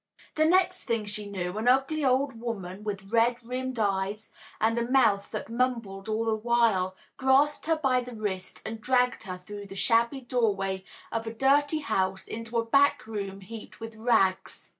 The next thing she knew, an ugly old woman, with red rimmed eyes and a mouth that mumbled all the while, grasped her by the wrist and dragged her through the shabby doorway of a dirty house into a back room heaped with rags.